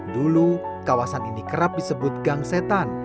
dulu kawasan ini kerap disebut gang setan